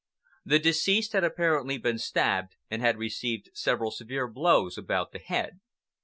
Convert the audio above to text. The deceased had apparently been stabbed, and had received several severe blows about the head.